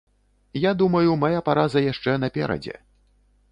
Я думаю, мая параза яшчэ наперадзе.